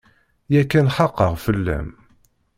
Yakan xaqeɣ fell-am.